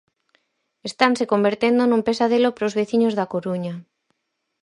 Estanse convertendo nun pesadelo para os veciños da Coruña.